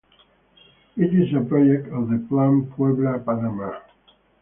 It is a project of the Plan Puebla Panama.